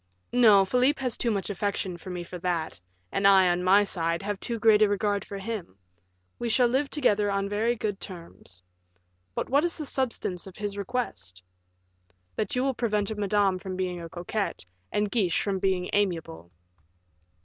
"No; Philip has too much affection for me for that, and I, on my side, have too great a regard for him; we shall live together on very good terms. But what is the substance of his request?" "That you will prevent Madame from being a coquette and Guiche from being amiable."